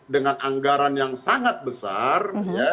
dengan anggaran yang sangat besar